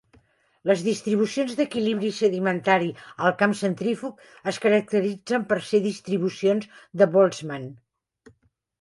Les distribucions d'equilibri sedimentari al camp centrífug es caracteritzen per ser distribucions de Boltzmann.